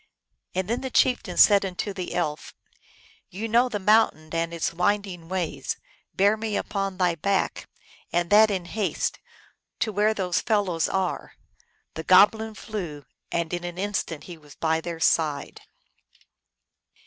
And then the chieftain said unto the elf, " You know the mountain and its winding ways: bear me upon thy back, and that in haste, to where those fel lows are !" The goblin flew, and in an instant he was by their side.